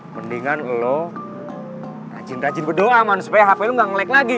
mendingan lu rajin rajin berdoa man supaya hp lu ga ngelag lagi